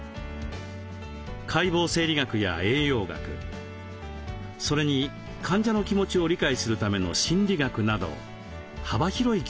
解剖生理学や栄養学それに患者の気持ちを理解するための心理学など幅広い教科を学んでいます。